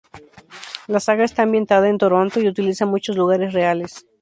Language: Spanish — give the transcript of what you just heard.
La saga está ambientada en Toronto y utiliza muchos lugares reales.